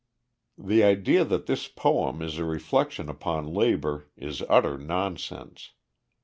The idea that this poem is a reflection upon labor is utter nonsense.